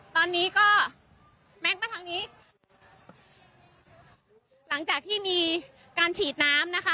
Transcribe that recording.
ตอนนี้ก็แม็กซ์มาทางนี้หลังจากที่มีการฉีดน้ำนะคะ